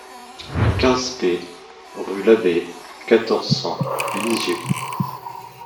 quinze P rue Labbey, quatorze, cent, Lisieux